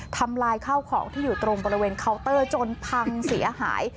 ทำลายข้าวของที่อยู่ตรงบริเวณเคาน์เตอร์จนพังเสียหาย